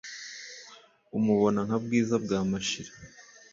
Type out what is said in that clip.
umubona nka bwiza bwa mashira